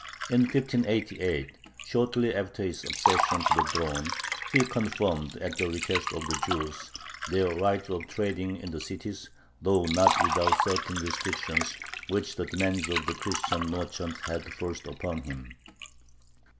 In 1588, shortly after his accession to the throne, he confirmed, at the request of the Jews, their right of trading in the cities, though not without certain restrictions which the demands of the Christian merchants had forced upon him.